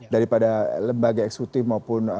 daripada lembaga eksklusif maupun